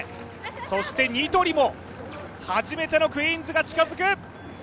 そしてニトリも初めての「クイーンズ」が近づく！